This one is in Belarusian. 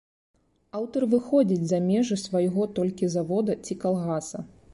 Аўтар выходзіць за межы свайго толькі завода ці калгаса.